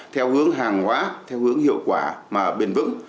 theo hướng hàng hóa theo hướng hiệu quả và bền vững